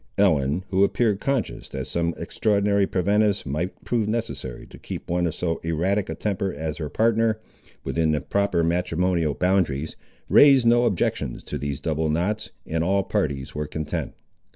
Ellen, who appeared conscious that some extraordinary preventives might prove necessary to keep one of so erratic a temper as her partner, within the proper matrimonial boundaries, raised no objections to these double knots, and all parties were content.